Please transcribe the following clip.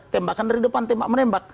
tembakan dari depan tembak menembak